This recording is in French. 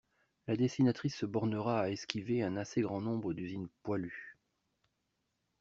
La dessinatrice se bornera à esquiver un assez grand nombre d'usines poilues.